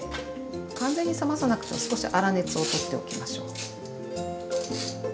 完全に冷まさなくても少し粗熱を取っておきましょう。